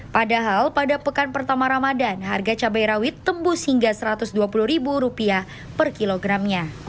padahal pada pekan pertama ramadan harga cabai rawit tembus hingga rp satu ratus dua puluh per kilogramnya